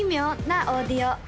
なオーディオ」